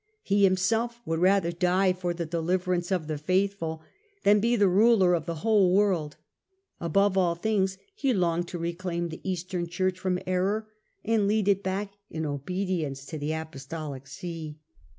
He himself would rather die for the deliverance of the faith ful than be the ruler of the whole world ; above all things, he longed to reclaim the Eastern Church from error and lead it back in obedience to the Apostolic See.